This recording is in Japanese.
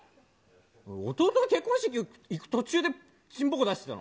弟の結婚式行く途中でちんぽこ出してたの？